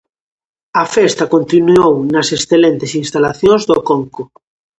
A festa continuou nas excelentes instalacións do Conco.